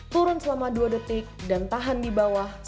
turun selama dua detik dan tahan di bawah satu